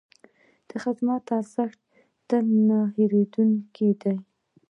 د خدمت ارزښت تل نه هېرېدونکی دی.